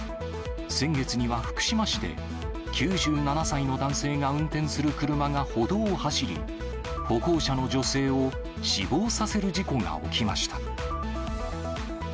先月には、福島市で９７歳の男性が運転する車が歩道を走り、歩行者の女性を死亡させる事故が起きました。